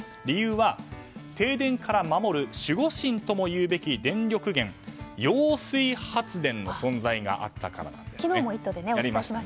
理由は停電から守る守護神ともいうべき電力源、揚水発電の存在があったからです。